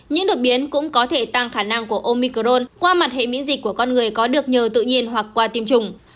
những đột biến cũng có thể tăng khả năng của omicrone qua mặt hệ miễn dịch của con người có được nhờ tự nhiên hoặc qua tiêm chủng